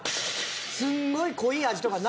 すんごい濃い味とかなんない？